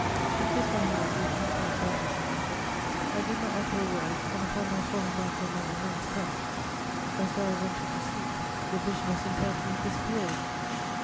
She kissed my hand with infinite gratitude. I did not utter a word, and, upon my falling back on my immense couch, as though I wanted to sleep, the vision of St. Anthony disappeared.